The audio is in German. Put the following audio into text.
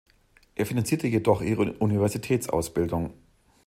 Er finanzierte jedoch ihre Universitätsausbildung.